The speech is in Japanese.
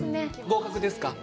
合格ですか？